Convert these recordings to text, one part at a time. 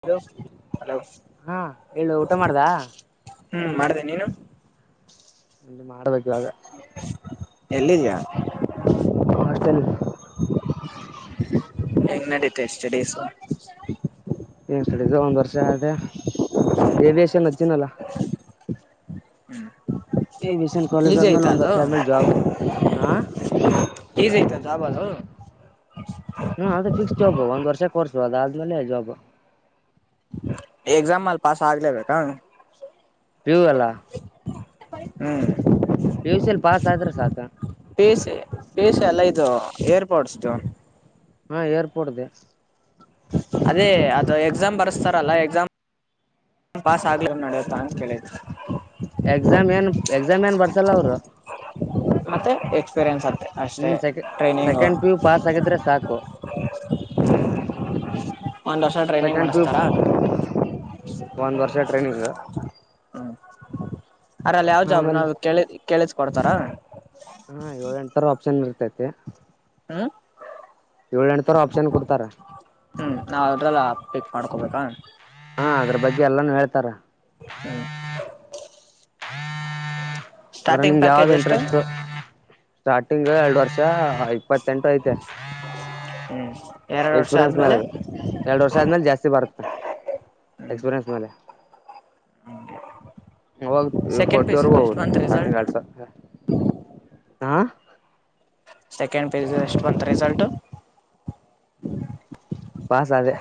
Hello hello ಹಾ ಹೇಳು ಊಟ ಮಾಡ್ದ. ಹ್ಮ್ ಮಾಡಿದೆ ನೀನು. ಅ ಮಾಡ್ಬೇಕಾಗ. ಎಲ್ಲಿದ್ಯಾ. ಹಾಸ್ಟಲ್. ಎಂಗ ನಡತ ಸ್ಟಡೀಸ್. ಏನ್ ಸ್ಟಡೀಸ್ ಒಂದ್ ವರ್ಷ ಅದ್ ಏವಿಯೇಷನ್ ಅಚ್ಚಿದ್ನನಲ್ಲ. ಈ ವಿಷನ್ ಕಾಲೇಜ್ ಈಸಿ ಅದ್ಮೇಲ್ ಆಯ್ತಾ ಒಂದ್ ಅದು ವರ್ಷ ಅದ್ಮೇಲ್ ಜಾಬ್ ಆ. ಜಾವಾ ನಾ. ಹಾ ಅದು ಫಿಕ್ಸ್ ಜಾಬ್ ಒಂದ್ ವರ್ಷ ಕೋರ್ಸ ಅದ ಆದ್ಮೇಲೆ ಜಾಬ್. ಎಕ್ಸಾಮ್ಲ್ಲಿ ಪಾಸ್ ಆಗ್ಲೇಬೇಕಾ. ಪಿ ಯು ಅಲ್ಲಾ. ಹ್ಮ್ ಪಿ ಯು ಸಿಯಲ್ ಪಾಸ್ ಆದ್ರೆ ಸಾಕ. ಪಿಯುಸಿ ಪಿಯುಸಿ ಅಲ್ಲ ಇದು ಏರ್ಪಡ್ಸ್ ದು. ಹಾ ಏರ್ಪೋರ್ಟದೆ. ಅದೇ ಅದು ಎಕ್ಸಾಮ್ ಬರ್ಸ್ತಾರಲ್ಲ ಎಕ್ಸಾಮ್ ಪಾಸ್ ಆಗ್ಲಿಕ್ ನಡಿಯತ ಅಂತ ಕೇಳಿದ್ ಎಕ್ಸಾಮ್ ಏನ್ ಎಕ್ಸಾಮ್ ಏನ್ ಬರ್ಸಲ್ಲಲ್ರೊ ಮತ್ತೆ ಎಕ್ಸ್ಪೀರಿಯನ್ಸ್ ಅಂತೆ ಅಷ್ಟೇ training second P U pass ಆಗಿದ್ರೆ ಸಾಕು. ಒಂದ್ ವರ್ಷ ಟ್ರೈನಿಂಗ್ ಸೆಕೆಂಡ್ ಪಿ ಯು ಮಾಡಿಸ್ತಾರ. ಟ್ರೈನಿಂಗ. ಅರಲ್ಲ್ ಯಾವ್ ಜಾಬ್ ಆಮೇಲೆ ನಾವು ಕೇಳಿದ್. ಕೇಳಿದ್ ಕೊಡ್ತಾರ. ಹಾ ಏಳೆಂಟ್ ತರ ಆಪ್ಷನ್ ಇರ್ತತಿ ಹ್ಮ್ ಏಳೆಂಟ್ ತರ ಆಪ್ಷನ್ ಕೊಡ್ತಾರ. ಕ್ಕೊಬೇಕಾ. ಹಾ ಅದ್ರ್ ಬಗ್ಗೆ ಎಲ್ಲಾನು ಹೇಳ್ತಾರ. ಹ್ಮ್. ಅದ್ರಗ್ ಸ್ಟಾರ್ಟಿಂಗ್ ನಿಂಗ್ ಯಾವ್ದ್ ಪ್ಯಾಕೇಜ್ ಎಷ್ಟು ಇಂಟ್ರೆಸ್ಟ್. ಸ್ಟಾರ್ಟಿಂಗ್ ಎಲ್ಡ್ ವರ್ಷ್. ಇಪ್ಪತ್ತೆಂಟು ಐತೆ ಹ್ಮ್ ಎರಡು ವರ್ಷ ಎಕ್ಸ್ಪೀರಿಯನ್ಸ್ ಮೇಲೆ ಆದ್ಮೇಲೆ ಅದು ಎರಡು ವರ್ಷ ಆದ್ಮೇಲೆ ಜಾಸ್ತಿ ಬರುತ್ತೆ ಎಕ್ಸ್ಪೀರಿಯನ್ಸ್ ಮಯಲೆ ಇವಾಗ್ ಸೆಕೆಂಡ್ ಫಾರ್ಟಿ ಪೇಜ್ ವರ್ಗೂ ಇತ್ತು ಎಷ್ಟು ಹೋಗುತ್ತೆ ಬಂತ ಸ್ಟಾರ್ಟಿಂಗ್ ರಿಸಲ್ಟ್ ಎಲ್ಡ್ ಸಾವ್ರ. ಹಾ.. ಸೆಕೆಂಡ್ ಪೇ [inaudible] ಎಷ್ಟು ಬಂತ ರಿಸಲ್ಟ್. ಪಾಸಾದೆ.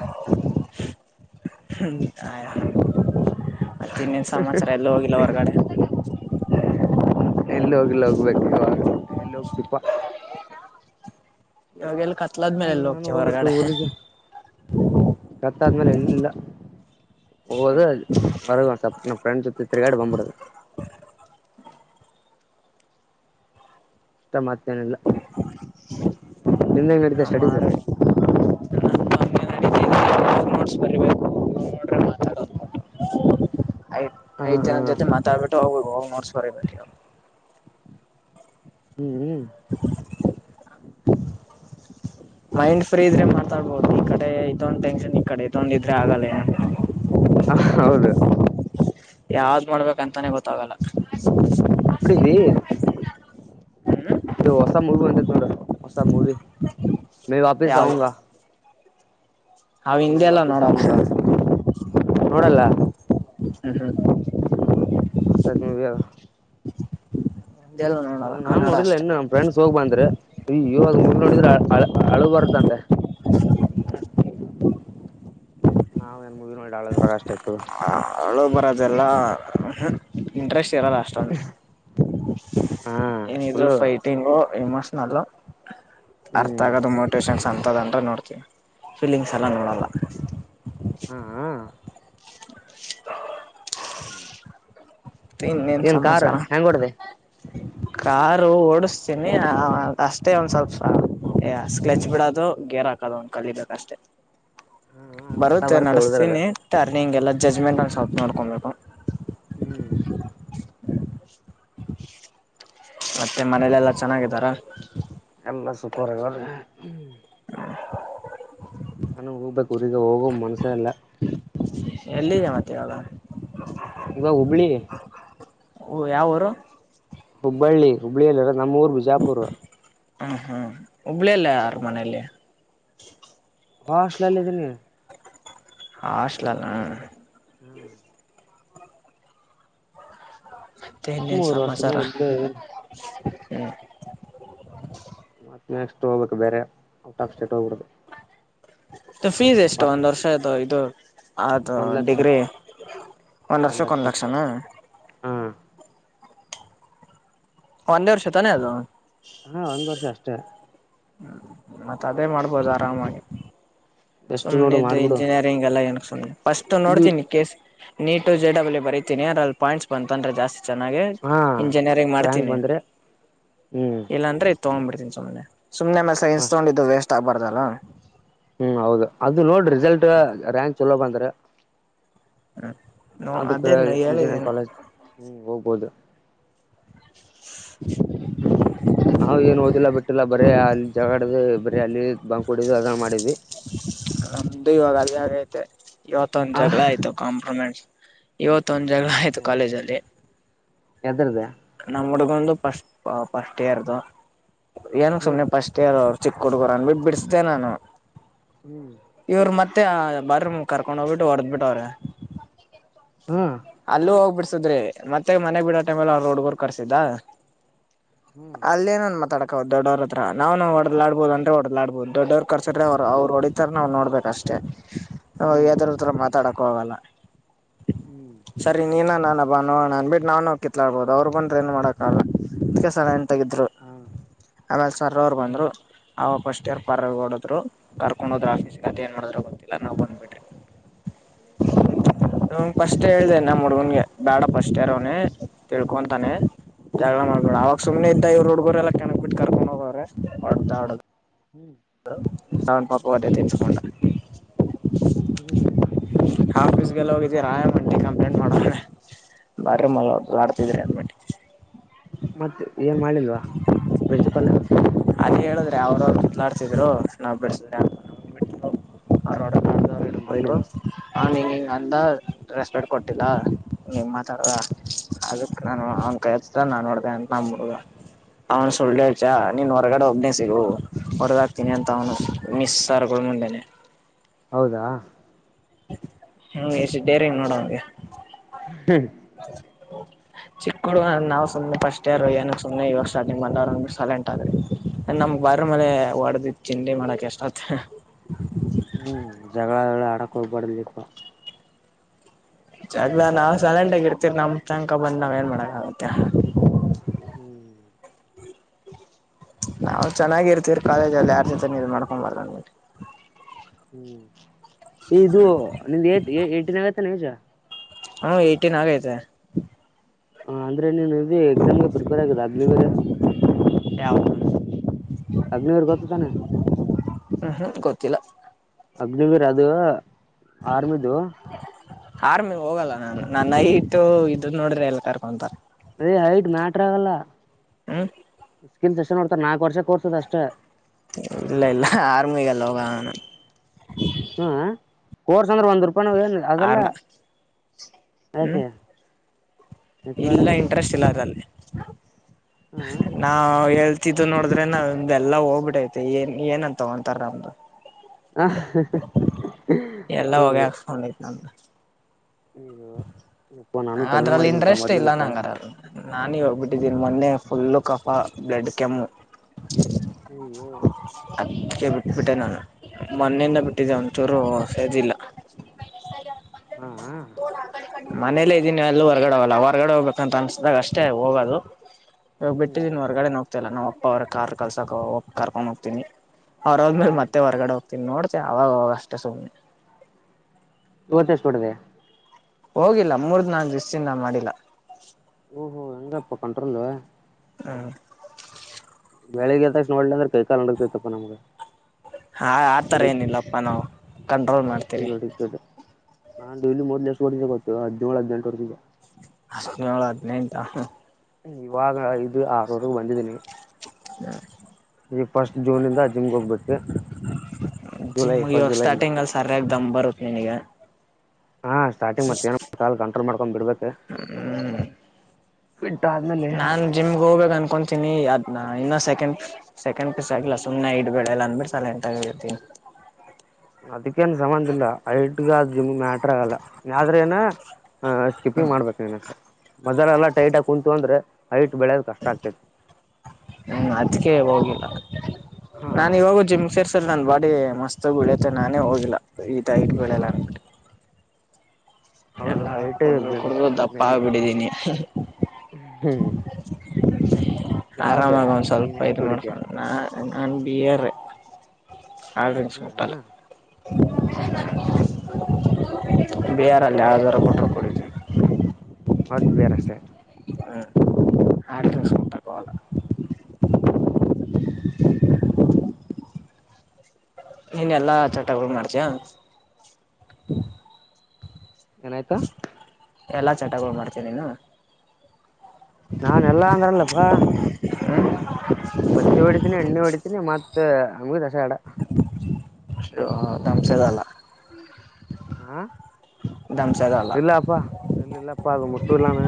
ಮತಿನ್ನೇನ್ ಸಮಾಚಾರ ಎಲ್ಲು ಹೋಗಿಲ್ಲ ಹೊರ್ಗಡೆ. ಎಲ್ಲೂ ಹೋಗಿಲ್ಲ ಹೋಗ್ಬೇಕ್ ಇವಾಗ. ಎಲ್ಲೋಗ್ತಿಪ್ಪಾ. ಇವಗೆಲ್ಲ್ ಕತ್. ಹಾ ನಾನು ಹೋಗ್ಬೇಕು ಊರಿಗೆ ಕತ್ತ್ಲ್ ಆದ್ಮೇಲೆ ಎಲ್ಲಿಲ್ಲ. ಒದ ಬರಲ ಸಪ್ನಾ ಪ್ರೆಂಡ್ ಜೊತೆ ತಿರ್ಗಾಡ್ ಬಂಬುಡದು. ಇಷ್ಟ ಮತ್ತೇನಿಲ್ಲ. ನಿಮ್ದೇಗ್ ನಡೀತೆ ನಾ ಸ್ಟಡೀಸ್. ಮಾಡ ನೋಟ್ಸ್ ಬರಿಬೇಕು ನೋಡ್ರೆ ಮಾತಾಡೋದು ಐ ಹಾ ಐದ್ ಹಾ ಜನ ಜೊತೆ ಮಾತಾಡ್ಬಿಟ್ಟು ಹೋಗ. ನೋಟ್ಸ್ [unintelligible] ಹ್ಮ್ ಹ್ಮ್. ಮೈಂಡ್ ಫ್ರೀ ಇದ್ರೆ ಮಾತಾಡ್ಬಹದು ಈ ಕಡೆ ಇದೊಂದ್ ಟೆನ್ಷನ್ ಈ ಕಡೆ ಇದೊಂದ ಇದ್ರೆ ಆಗಲ್ಲ ಏನಾದ್ರು. ಹ ಹೌದು. ಯಾವ್ದ್ ಮಾಡ್ಬೇಕಂತಾನೇ ಗೊತ್ತಾಗಲ್ಲ. ನೋಡಿದಿ. ಹ್ಮ್ ಇದು ಹೊಸ ಮೂವಿ ಬಂದೈತ್ ನೋಡು ಹೊಸ ಮೂವಿ. ಮೇ ವಾಪಿಸ್ ಯಾವ್ದು ಆವುಂಗಾ. ಅವ ಮೇ ಹಿಂದೆ ಎಲ್ಲ ವಾಪಿಸ್ ನೋಡಲ್ಲ ಆವುಂಗಾ ನೋಡಲ್ಲ. ಹ ಹಾ. ಮಸ್ತತ್ ಮೂವಿ ಅದು. ನಮ್ದೆಲ್ಲ ನ ನೋಡಲ್ಲ ನಾನ್ ಕನ್ನಡ ನೋಡಿಲ್ಲ ಅಷ್ಟೆ ಇನ್ನು ನಮ್ ಫ್ರೆಂಡ್ಸ್ ಹೋಗ್ಬಂದ್ರು ಈ ಇವಾಗ ಮೂವಿ ನೋಡಿದ್ರೆ ಅ ಅಳು ಬರ್ತ್ತಂತೆ. ನಾವ್ ಏನ್ ಮೂವಿ ನೋಡಿ ಅಳದ್ ಬ್ರಷ್ಟ್ ಆಯಿತು. ಅಳು ಬರೋದೆಲ್ಲ ಇಂಟ್ರೆಸ್ಟ್. ತಿರಲ್ಲ ಅಷ್ಟೊಂದು ಹಾ ಏನಿದ್ರು ಫುಲ್ಲು ಫೈಟಿಂಗು. ಫೇಮಸ್ [unintelligible] ಅರ್ಥ ಹ್ಮ್ ಆಗದು ಮೋಟಿವೇಶನ್. ತಂತದಂತ ನೋಡ್ತೀವಿ ಫೀಲಿಂಗ್ಸ್ ಎಲ್ಲ ನೋಡಲ್ಲ. ಹಾ [inaudible] ಇನ್ನೇನ್ ಏನ್ ಕಾರ್ ಸಮಾಚಾರ. ಹೆಂಗ್ ಹೊಡ್ದಿ ಕಾರು ಓಡಸ್ತೀನಿ ಅಷ್ಟೇ ಒಂದ್ ಸ್ವಲ್ಪ ಎ ಅ ಸ್ಕ್ಲೆಚ್ ಬಿಡೋದು ಗೇರ್ ಹಾಕದು ಒಂದ ಕಲಿಬೇಕಷ್ಟೇ. ಹಾ ಅಂದ್ರೆ ಎಲ್ಲಾ ಬರುತ್ತೆ ಬರ್ತ್ತೆ ಉಳ್ದಿರದ ನಡಸ್ತೀನಿ ತಾರಿ. ನಿಂಗೆಲ್ಲ ಜಜ್ಮೆಂಟ್ ಒನ್ ಸೊಲ್ಪ್ ನೊಡ್ಕೊಂಬೇಕು. [inaudible] ಮತ್ತೆ ಮನೇಲೆಲ್ಲಾ ಚೆನ್ನಾಗಿದ್ದಾರ. ಎಲ್ಲ ಸುಪರ್ಗ ಲೆ. ನಾನು ಉಬಕ್ ಉರಿಗೆ ಹೋಗುವ ಮನಸ ಇಲ್ಲ. ಎಲ್ಲಿದ್ಯ ಮತ್ತ ಇವಾಗ. ಈಗ ಹುಬ್ಳಿ. ಓ ಯಾವೂರು. ಹುಬ್ಬಳ್ಳಿ ಹುಬ್ಬಳ್ಳಿಯಲ್ಲಿರದು ನಮ್ಮೂರ್ ಬಿಜಾಪುರ್. ಹ್ಮ್ ಹ್ಮ್ ಹುಬ್ಬ್ಳೆಲ್ಲಿ ಯಾರ ಮನೇಯಲ್ಲಿ. ಹಾಸ್ಟ್ಲಲ್ಲಿ ಇದಿನಿ. ಹಾಸ್ಟ್ಳಲ್ಲ. ಮತ್ತೆ ಇನ್ನೇನ್ ಮೂರು ವರ್ಷದ್ನ ಸಮಾಚಾರ ಇಲ್ಲೇ ಇದಿನಿ. [inaudible] ಮತ್ ನೆಕ್ಸ್ಟ್ ಹೋಗ್ಬೇಕು ಬೇರೆ. ಔಟ್ ಆಫ್ ಸ್ಟೇಟ್ ಹೊಗ್ಬುಡದು. ಫೀಸ್ ಎಷ್ಟು ಒಂದ್ ವರ್ಷ ಆಯ್ತು ಇದು. ಅದು ಒಂದ್ ಲಕ್ಷ ಡಿಗ್ರಿ ಒಂದು ಒಂದ್ ವರ್ಷ್ಕ್ ಲಕ್ಷ ಒಂದು ಲಕ್ಷನಾ. ಹಾ ಒಂದೇ ವರ್ಷ ತಾನೆ ಅದು. ಹಾ ಒಂದ್ ವರ್ಷ ಅಷ್ಟೇ. ಹ್ಮ ಮತ್ತ ಅದೇ ಮಾಡ್ಬೋದು ಆರಾಮಾಗಿ. ಬೆಸ್ಟ್ ನೋಡು ಸುಮ್ನಿದು ಮಾಡ್ಬಿಡು ಇಂಜಿನಿಯರಿಂಗ್ ಎಲ್ಲ ಏನಕ್ ಸುಮ್ನೆ ಫಸ್ಟ್ ಇದು ನೋಡ್ತೀನಿ ಕೇಸ್. ನೀಟು ಜೆಡಬ್ಲ್ಯ ಬರೀತೀನಿ ಅದ್ರಲ್ಲಿ ಪಾಯಂಟ್ಸ್ ಬಂತಂದ್ರೆ ಜಾಸ್ತಿ. ಚೆನ್ನಾಗೆ ಹಾ ಇಂಜಿನಿಯರಿಂಗ್ ರ್ಯಾಂಕ್ ಮಾಡ್ತೀನಿ ಬಂದ್ರೆ ಹ್ಮ್ ಇಲ್ಲಾಂದ್ರೆ ಇ. ತೋಂಬಿಡ್ತೀನಿ ಸುಮ್ಮನೆ. ಸುಮ್ಮನೆ ಮತ್ ಸೈನ್ಸ್ ಅಷ್ಟ ತೋಂಡಿದ್ದು ವೇಸ್ಟ್ ಆಗ್ಬಾರ್ದಲ. [inaudible] ಹ್ಮ್ ಹೌದು ಅದು ನೋಡ್ರಿ ರಿಸಲ್ಟ್ ರಾಂಕ್ ಚಲೋ ಬಂದ್ರ. ಹ. ಅದಕ್ಕ ಇಂಜಿನಿಯಂಗ್ ಕಾಲೇಜ್ ಹ್ಮ ಹೋಗ್ಬೋದು. [unintelligible] ಹ್ಮ ನಾವ್ ಏನ್ ಓದಿಲ್ಲ ಬಿಟ್ಟಿಲ್ಲ ಬರೇ ಅಲ್ಲಿ ಜಗಲ್. ಏ ಬರೀ ಅಲ್ಲೀ ಬಂ ಕುಡಿದು ಅದ ಮಾಡಿದ್ವಿ. ನಮ್ದು ಇವಾಗ ಅಲ್ಲಿ ಯಾಗೈತೆ. ಇವತೊಂದ್ ಜಗಳ ಆಯ್ತು ಕಾಂಪ್ರಮೈಂಸ್. ಇವತ. ಮತ್ತೊಂದ್ ಜಗಳ ಆಯ್ತು ಕಾಲೇಜ್ ಅಲ್ಲಿ ಎದ್ರದ ನಮ್ಮುದ. ಒಂದು ಪಶ್ ಓ ಪಷ್ಟಿಯರ್ದು. ಏನಕ್ ಸುಮ್ನೆ ಹ್ಮ್ ಫಸ್ಟ್ ಇಯರ್ ಅವ್ರು. ಚಿಕ್ಕುಡುಗರನ್ಬಿಟ್ ಬಿಡ್ಸ್ಧೀ ನಾನು. ಹ್ಮ್ ತ್ತೆ ಆ ಬಾಟ್ರೂಮ್ ಕರ್ಕೊಂಡ್ ಹೋಗ್ಬಿಟು ಹೊಡ್ಧಬಿಟ್ಟವ್ರೆ. ಹ್ಮ್ ಅಲ್ಲೂ ಹೋಗ್ಬಿಡ್ಸದ್ರಿ ಮತ್ತೆ ಮನೆಗ್ ಬಿಡೋ ಟೈಮಲ್ಲಿ ಅವ್ರು ಉಡುಗುರ್ ಕರ್ಸಿದ್ದ. ಹ್ಮ್ ಅಲ್ಲೇನನ್ ಮತಡಕ. ಕ್ ದೊಡ್ಡವ್ರತ್ರ ನವ್ ನವ್ ಒಡಧ್ಲಾಡ್ಬೋಧ್ ಅಂಟೆ ಒಡಧ್ಲಾಡ್ಬೋದು ದೊಡ್ಡವರ್ ಕರ್ಸಿದ್ರೆ ಅವ್ರು ಅವ್ರು ಒಡಿತಾರ್ ನಾವ್ ನೋಡ್ಬೇಕಷ್ಟೇ. ಹ್ ನಾವ್ ಹ್ಮ್ ಯದರುತ್ರಾ ಮಾತಾಡಕ್. ಓಹ ಅಲ್ಲ. ಹ್ಮ್ ಹ್ಮ್ ಸರ್ ರಿ ನೆನನಾನ. ನಭ ನವನಾನ್ಬಿಟ್ ನವ್ ನವ್ ಕಿತ್ಲಾಡ್ಬೊದು ಅವ್ರು ಬಂದ್ರ ಏನ್ ಮಾಡಕಲ್ಲ ದಕೆ ಸ ಲೈ. ತೆಗೆದ್ರು ಹಾ ಆಮೇಲ್ ಸರ್ ಅವ್ರು ಹಾ ಬಂದ್ರು ಅವ್. ಫಸ್ಟ್ ಯರ್ ಪಾತ್ರ ಒಡದ್ರು ಕರ್ಕೊಂಡ್ ಹೋದ್ರಆಫೀಸ್ ಕತೆ ಎನ್ ನೋಡ್ಧ್ರು. ಎಲ ನಾವ್ ಬಂದ್ಬಿಟೆ. ರೂಮ್ [unintelligible] ಷ್ಟೆ ಹೇಳ್ದ ನಮ್ ಹುಡುಗನ್ಗೆ ಬೇಡ ಫಸ್ಟ್ ರ್ ಅವ್ನನೆ ತಿಳ್ಕೊಂತನೆ. ಜಗಳ ಮಾಡ್ಬೆಡ ಹ್ಮ್ ಅವಾಗ್ ಸುಮ್ನೆ ಇದ್ದ ಇವ್ರುಡುಗುರೆಲ್ಲಾ. ಕೆನಕ್ ಬಿಟ್ ಕರ್ಕೊಂಡೋಗವ್ರೆ ಒಡ್ಧಾ ಡ್. ಹ್ಮ್ ದ್ರಾ ಸನ್ ಪಾಪು ಒದೇ ತಿನ್ಸ್ಕೊಂಡ. [inaudible] ಆಪೀಸ್ಗೆಲ್ಲ ಹೋಗಿದ್ದಿ ರಾಯನ್. ಆಂಟಿ ಕಂಪ್ಲೇಂಟ್ ಮಾಡವ್ರೆ ಬಾಟ್ರೀ ಮಲ್ ಒಡ್ಲಾಡ್ತಿದ್ರಿ ಆನ್ಬಿಟಿ. ಮತ್ ಏನ್ ಮಾಡ್ಲಿಲ್ವಾ ಪ್ರಿನ್ಸಿಪಲ್. ಅಲ್ಲಿ ಹೇಳಿದ್ರೆ ಅವ್ರರು ಕಿತ್ಲಾಡ್ತಿದ್ರು ನಾವ್ ಬಿಡ್ಸದ್ರೆ. ಹ್ಮ್ ಬೈಲಿಲ್ಲ. ನಾ ಹಿಂಗಿಂಗ್ ಅಂದಾ. ರೆಸ್ಪೆಕ್ಟ್ ಕೊಟ್ಟಿಲ್ಲ ನಿಮ್ ಮಾತಾಡ ಅದಕ್ ನಾನು ಅವ್ನ್ ಕತಿದ ನಾನು ನೋಡ್ದ ಅಂತ ನಮ್ಮ ಹುಡ್ಗ ಅವ್ನ್ ಸುಳ್ಳೆಚ ನೀನ್ ಹೊರಗಡೆ ಒಬ್ಬನೇ ಸಿಗು ಹೊರಗ ಹಾಕ್ತೀನಿ ಅಂತ ಅವ್ನು ಮಿಸ್ ಅದ್ರ್ [unintelligible] ಹೌದಾ. ಹ್ಮ ಎಷ್ಟ್ ಡೇರಿಂಗ್ ನೋಡಂಗೆ. ಹ್ಮ್. ಚಿಕ್ಕಹುಡುಗ್ ನಾವ್ ಸುಮ್ನೆ ಫಸ್ಟ್ ಯಾರ ಏನಕ್ ಸುಮ್ನೆ ಇವಾಗ ಸ್ಟಾರ್ಟಿಂಗ್ ಬಂದವರುಂದ ಸೈಲೆಂಟ್ ಅದೇ ನಮ್ ಬಾರ ಮೇಲೆ ಹೊಡದ ತಿಂಡಿ ಮಾಡಕ್ ಎಷ್ಟ ಆತ. ಹ್ಮ್ ಜಗಳ ಆಡಕ್ ಹೋಗ್ಬಡಲೆ ಪಾ. ಜಾಗಳ ನಾವ್ ಸೈಲಂಟ ಆಗ ಇರ್ತವಿ ನಮ್ ತನಕ ಬಂದ್ ನಾವ್ ಏನ್ ಮಾಡಕ್ ಆಗತ್ತ. ಹ್ಮ್ ನಾವವು ಚೆನ್ನಾಗಿರ್ತೀವರಿ ಕಾಲೇಜಲ್ಲಿ ಯಾರ ಜೊತೆನು ಇದ್ ಮಾಡ್ಕೊಬಾರಲ್ಲನ್. ಹ್ಮ್ ಇದು ನಿಮ್ದ ಏ ಏಟನ್ ಆಗತ್ತಾನ ಈಜ. ಹ್ಮ ಏಟೀನ್ ಆಗೈತೆ. ಹ ಅಂದ್ರೆ ನೀನು. ಅ ಎಕ್ಸಾಮ್ಗೆ ಪ್ರಿಪೇರ್ ಆಗಿದೆ ಅಗ್ಲಿ ಬೇರೆ. [unintelligible] ಅಗ್ನವರ್ ಗೊತ್ತು ತಾನೆ. ಹ್ಮ್ ಹ್ಮ್ ಗೊತ್ತಿಲ್ಲ. ಅಗ್ನಿವೀರ್ ಅದುವಾ. ಆರ್ಮಿದು. ಆರಮಿಗ್ ಹೋಗಲ್ಲ ನಾನು ನೈಟ್ಟು ಇದ ನೋಡಿದ್ರ್ ಎಲ್ಲ ಕರ್ಕೊಂತಾರ. ಅದೆ ಹೈಟ್ ಮ್ಯಾಟ್ರ ಆಗಲ್ಲಲ್. ಹ್ಮ್ ನೋಡ್ತಾರೆ ನಾಕು ವರ್ಷ ಕೋರ್ಸದ ಅಷ್ಟೇ. ಇಲ್ಲ ಇಲ್ಲ ಆರ್ಮಿಗಲ್ಲ ಹೋಗ. ಹ್ಮ ಕೋರ್ಸ್ ಅಂದ್ರೆ ಒಂದ್ ರೂಪಾಯಿ. ಆರ್ಮ [unintelligible] ಯಾಕೆ. ಹ್ಮ್ ಯಾಕೆ ಬೇಡ ಇಲ್ಲ ಇಂಟ್ರೆಸ್ಟ್ ಇಲ್ಲ ಅದರಲ್ಲಿ ಹ ನಾವ ಹೇಳ್. ತ ನೋಡಿದ್ರೆ ನ ಎಲ್ಲ ಹೋಗ್ಬಿಟ್ಟೈಐತೆ ಏನ್ ಏನ್ಂತ ತಗೊಂತಾರ ನಮ್ದು. ಹ ಎಲ್ಲ ಹೋಗೆ ಹಾಕ್ಸ್ಕೊಂಡೈತ್ನಂದ್. ಅಯ್ಯೋ ಯಪ್ಪಾ ನಾನು ಕಡಿಮೆ ಅದ್ರಲ್ಲಿ ಮಾಡಿದೀನಿಪ್ಪಾ ಮೊದ್ಲಿಗತ. ಟಿದೀನಿ ಮೊನ್ನೆ ಫುಲ್ಲು ಕಫಾ ಬ್ಲಡ್ ಕೆಮ್ಮು. ಅಯ್ಯೋ. ಅದಕ್ಕೆ ಬಿಟ್ಟಬಿಟ್ಟೆ ನಾನು ಮೊನ್ನೆಯಿಂದ ಬಿಟ್ಟಿದ್ದೆ ಒಂಚೂರು ಸೇದಿಲ್ಲ. ಹಾ ಹಾ ಮನೇಲ್ಲೇ ಇದ್ದೀನಿ ಎಲ್ಲೂ ಹೊರ್ಗಡೆ ಹೋಗಲ್ಲ ಹೊರ್ಗಡೆ ಹೋಗ್ಬೇಕಂತ ಅನ್ಸ್ದಾಗ ಅಷ್ಟೇ ಹೋಗದು. ಇವಾಗ್ ಹ್ಮ್ ಬಿಟ್ಟಿದ್ದೀನ್ ಹೊರಗಡೆನು. ಇಲ್ಲ ನಾಮ್ ಅಪ್ಪವ್ರ ಕಾರ್ ಕಲ್ಸೋಕ ಕರ್ಕೊಂಡ್ ಹೋಗ್ತೀನಿ. ಹೊರದ್ಮೇಲೆ ಹ್ಮ್ ಮತ್ತೆ ಹೊರಗಡೆ. ತಿನ್ನು ನೋಡ್ತೆ ಅವಾಗ್ ಅವಾಗ್ ಅಷ್ಟೆ ಸುಮ್ಮ್ನೆ. ಇವತ್ ಎಸ್ಟ್ ಒಡ್ಡೆ. ಹೋಗಿಲ್ಲ ಮೂರ್ ನಾಕ್ ದಿಸ್ದಿಂದ ಮಾಡಿಲ್ಲ. ಓಹೋ ಹೆಂಗಪ್ಪ ಕಂಟ್ರೋಲ್. ಹ್ಮ್ ಬೆಳಗ್ ಎದ್ದುತಕ್ಷಣ ಹೊಡಿಲಿಲ್ಲ ಅಂದ್ರೆ ಕೈ ಕಾಲು ನಡುಗ್ತೈತಪ್ಪ ನಮ್ಮೂಗ. ಹಾ ಆ ಥರ ಏನಿಲ್ಲಪ್ಪ ನಾವು ಕಂಟ್ರೋಲ್ ನಮ್ದು ಮಾಡ್ತೀರಿ. ಫುಲ್ ಅಡಿಕ್ಟೆಡ್ ನಾನ್ ಡಲಿ ಮೊದ್ಲು ಎಷ್ಟ್ ಹೊಡಿತಿದೆ ಗೋತ್ತು ಹದಿನೇಳು ಹದಿನೆಂಟು ವಡಿತಿದೆ. ಹದಿನೇಳು ಹದಿನೆಂಟ. ಇವಾಗ ಐದು ಆರು ಒಂದೇ ದಿನಕೆ. ಈ ಫಸ್ಟ್ ಜೂನಂದ ಜಿಮ್ಗೆ ಹೋಗ್ಬು ಜುಲೈ ಫಸ್ಟ್ ಜುಲೈಂದ. ತ್ತಂಬರುತ್ತಿನಗೆ. ಹಾ ಸ್ಟಾರ್ಟಿಂಗ್ ಮತ್ತೇನ [unintelligible] ಕಂಟ್ರೋಲ್ ಮಾಡ್ಕೊಂಡ್ ಬಿಡ್ಬೇಕು. ಬಿಟ್ಟ ಆದ್ಮೇಲೆ ನಾನ್ ಜಿಮ್ಗೆ ಹೋಗ್ಬೇಕ್ ಅನ್ ಹಕೊಂತೀನಿ ಅದ್ನ ಇನ್ನ ಸೆಕೆಂಡ್ ಸೆಕೆಂಡ್ ಆಗಿಲ್ಲಾ ಸುಮ್ನೆ ಇಡ್ಬೆಳೆಲ್ಲ ಅಂದ್ಬಿಟ್ಟ ಸೖಲೆಂಟಾಗಿರ್ತಿನಿ. ಅದಕ್ಕೇನ್ ಸಂಬಂಧ ಇಲ್ಲ ಐಟ್ಗ ಅ ಜಿಮ್ ಹ ಸ್ಕಿಪಿಂಗ್ ಮಾಡ್ಬೇಕು [unintelligible] ಮದ್ಯಾನ ಎಲ್ಲ ಟೈಟಾಗ್ ಕುಂತ್ರು ಅಂದ್ರೆ ಹೖಟ್ ಬೆಳೆಯದ್ ಕಷ್ಟ ಆಗ್ತತಿ. ಹ್ಮ ಅದ್ಕೆ ಹೋಗಿಲ್ಲ. ಹಾ ನಾ ಈವಾಗು ಜಿಮ್ ಸೇರ್ಸಲ್ ನನ್ ಬಾ ಅಡಿ ಮಸ್ತ್ ಉಳಿತೆ ನಾನೇ ಹೋಗಿಲ್ಲ ಈ ದೇಟ್ ಈ ಬಿಳೆಲ್ಲ ಹೌದು ಎಲ್ಲಾ ಐಟೇ ಕುಡ್ದು ಕುಡ್ದು ದಪ್ಪ ಮೇನ್ ಆಗ್ಬಿಟ್ಟೀದೀನಿ. ಹ್ಮ್ ಯಾವ್ದ ಆರಾಮಾಗೊಂದ್ ನೀನ್ ಸ್ವಲ್ಪ ಯಾವ್ದ್ ಇದ ಕುಡಿತಯ ಮಾಡ್ಕೊಂಡ್ ನನ್ ಬಿಯರ್. ಆ ಡ್ರಿಂಕ್ಸ್ ಹ ಮುಟ್ಟಲ್ಲ. ಹ್ಮ್ ಹ್ಮ್ ಬಿಯರಲ್ಲಿ ಯಾವ್ದಾರ ಕೊಟ್ರ ಕುಡತೀವಿ. ಹಾಟ್ ಬಿಯರಷ್ಟೇ. ಹ ಹಾಟ್ಡ್ರಿಂಕ್ಸ್ ಮುಟ್ಟಕೋಗಲ್ಲ. ನೀನೆಲ್ಲಾ ಚಟಗಳು ಮಾಡ್ತಿಯ? ಏನಾಯ್ತು? ಎಲ್ಲ ಚಟಗಳು ಮಾಡ್ತೀಯ ನೀನು? ನಾನೆಲ್ಲಾ ಅಂದ್ರಲ್ಲಪ್ಪಾ. ಹ್ಮ್ [inaudible] ದ ಅಮ್ಗೆ ದಸ ಆಡ. ಷ್ಟು ತಮಸದ ಅಲ್ಲ. ಹಾ ಇಲ್ಲಪ್ಪಾ ಇಲ್ಲ ಇಲ್ಲಪ್ಪಾ ಅದು ಮುಟ್ಟು ಇಲ್ಲಾನ.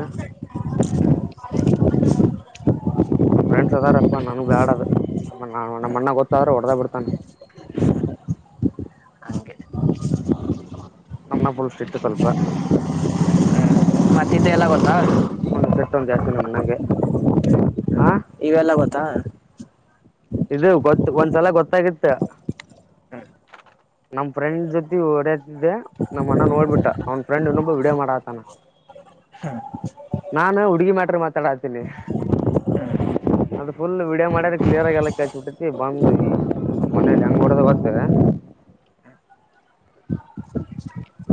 ನಮ್ ಫ್ರೆಂಡ್ಸ್ ಅದಾರಪ್ಪಾ ನಾನ್ಗ್ ಬ್ಯಾಡದು ನಮ್ಮ ನಮ್ಮಣ್ಣ ಗೊತ್ತಾದ್ರೆ ಹೊಡೆದೇ ಬಿಡ್ತಾನೆ. ಹಂಗೆ ನಮ್ಮನ್ನು [unintelligible] ಇತ್ತು ಸ್ವಲ್ಪ. ಮತ್ತಿದ್ದೆ ಎಲ್ಲ ಗೊತ್ತಾ ಒಂದ್ ಸಿಟ್ಟು ಒಂದ್ ಜಾಸ್ತಿ ನಮ್ಮಣ್ಣಂಗೆ. ಆ ಇವೆಲ್ಲ ಗೊತ್ತಾ ಇದು ಗೊತ್ತು ಒಂದ್ಸಲ ಗೊತ್ತಾಗಿತ್ತು. ನಮ್ ಫ್ರೆಂಡ್ ಜೊತೆ ಒಡೆ ಇದೆ ನಮ್ಮಣ್ಣ ನೋಡ್ಬಿಟ್ಟ ಅವ್ನ್ ಫ್ರೆಂಡ್ ಇನ್ನು ವಿಡೋ ಮಾಡತಾನ ಹಾ [unintelligible] ನಾನು ಹುಡ್ಗಿ ಮ್ಯಾಟ್ರ್ ಮಾತಾಡತೀನಿ ಅದು ಫುಲ್ ವಿಡಿಯೋ ಮಾಡ್ಯದ್ ಕ್ಲಿಯರ್ ಆಗಿ ಎಲ್ಲ ಕೇಳ್ಸ್ ಬಿಟ್ಟೈತಿ ಬಂದ ಈ ಮನೇಲಿ ಹೆಂಗ ಹೊಡದ ಗೊತ್ತ.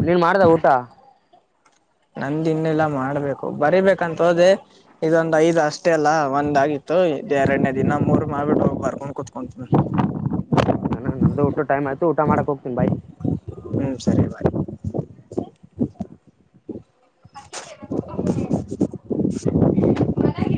ನೀನ್ ಮಾಡ್ದ ಊಟ ನಂದಿನ್ನಿಲ್ಲಾ ಮಾಡ್ಬೇಕು, ಬರಿಬೇಕಂತ್ ಹೋದೆ ಇದೊಂದ್ ಐದ್ ಅಷ್ಟೇ ಅಲ್ಲಾ. ಒಂದಾಗಿತ್ತು ಇದ್ ಎರಡನೇ ಇನ ಮೂರ್ ಮಾಡ್ ಬಿಟ್ಟು ಬರ್ಕೊಂಡ್ ಕುೂತ್ಕೊಂತಿನಿ ಹೌದೆನ್ ನನ್ದು ಊಟದ್ ಟೈಮೈತು ಊಟ ಮಾಡಕ್ ಹೋಗ್ತೀನಿ ಬಾಯ್ ಹ್ಮ್ ಸರಿ ಬಾಯ್